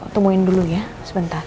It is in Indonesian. tungguin dulu ya sebentar